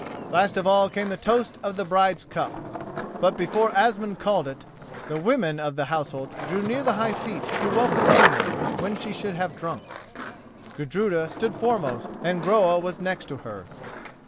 Last of all came the toast of the bride's cup. But before Asmund called it, the women of the household drew near the high seat to welcome Unna, when she should have drunk. Gudruda stood foremost, and Groa was next to her.